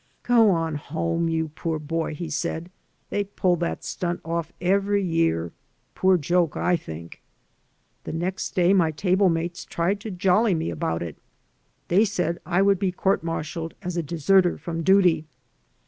"Go on home, you poor boy," he said. "They pull that stunt oflf every year. Poor joke, I think." The next day my table mates tried to jolly me about it. They said I would be court martialed as a deserter from duty.